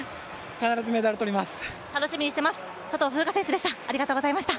必ずメダルをとります。